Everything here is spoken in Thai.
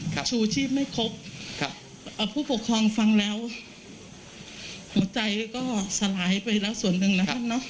ชูชีพไม่ครบครับอ่าผู้ปกครองฟังแล้วหัวใจก็สลายไปแล้วส่วนหนึ่งนะครับเนอะ